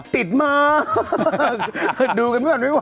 ติดมาก